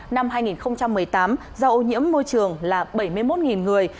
năm hai nghìn một mươi tám do ô nhiễm môi trường là bảy mươi một người